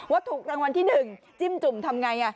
ว่าถูกรางวัลที่๑จิ้มจุ่มทำอย่างไร